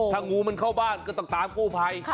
ถ้างูเข้าบ้านก็ต้องตามกู้ไพ